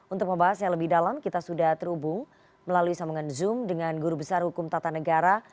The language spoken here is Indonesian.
untuk membahas yang lebih dalam kita sudah terhubung melalui sambungan zoom dengan guru besar hukum tata negara